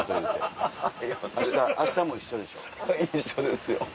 一緒ですよ。